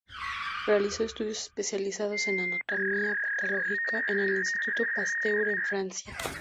Realizó estudios especializados en anatomía patológica en el Instituto Pasteur en Francia.